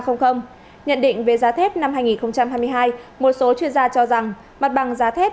nhận định về giá thép năm hai nghìn hai mươi hai một số chuyên gia cho rằng mặt bằng giá thép